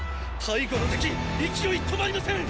背後の敵勢い止まりません！